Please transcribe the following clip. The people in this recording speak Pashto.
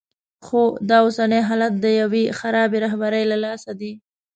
خو دا اوسنی حالت د یوې خرابې رهبرۍ له لاسه دی.